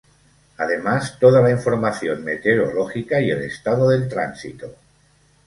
Además, toda la información meteorológica y el estado del tránsito.